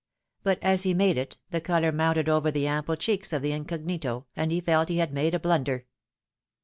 But as he made it, the colour mounted over /the ample cheeks of the incognito, and he felt he had made a blunder.